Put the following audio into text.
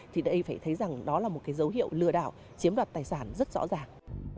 thì đây phải thấy rằng đó là một cái dấu hiệu lừa đảo chiếm đoạt tài sản rất rõ ràng